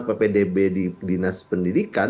ppdb di dinas pendidikan